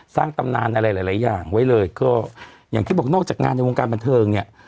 ตำนานอะไรหลายอย่างไว้เลยก็อย่างที่บอกนอกจากงานในวงการบันเทิงเนี่ย